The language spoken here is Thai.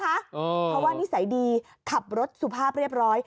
เพราะว่านิสัยดีขับรถสุภาพเรียบร้อย